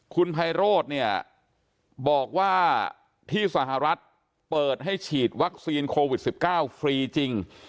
คุณไพโรธเนี่ยบอกว่าที่สหรัฐเปิดให้ฉีดวัคซีนโควิด๑๙ฟรีจริง